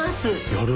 やる！